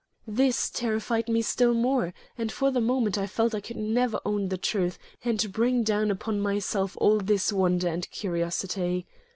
This terrified me still more, and for the moment I felt that I could never own the truth and bring down upon myself all this wonder and curiosity.